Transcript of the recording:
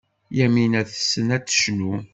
Yamina tessen ad tecnu.